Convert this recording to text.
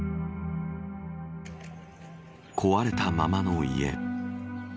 壊れたままの家。